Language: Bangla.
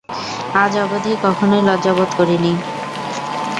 আজ অবধি কখনই লজ্জা বোধ করি নি।